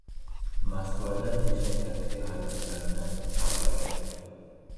Moskvada chechen taksi haydovchisini kaltakladi